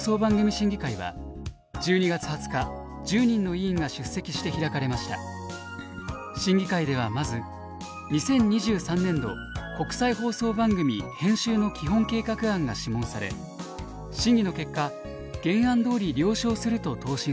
審議会ではまず「２０２３年度国際放送番組編集の基本計画案」が諮問され審議の結果原案どおり了承すると答申されました。